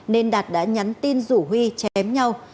nên đạt đã nhắn tin rủ huy chém nhau